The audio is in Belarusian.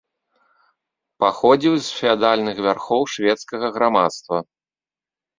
Паходзіў з феадальных вярхоў шведскага грамадства.